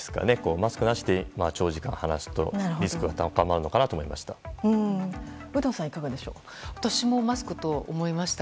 マスクなしで長時間話すとリスクが高まるのかなと思いました。